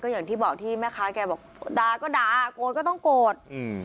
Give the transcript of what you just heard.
อย่างที่บอกที่แม่ค้าแกบอกด่าก็ด่าโกรธก็ต้องโกรธอืม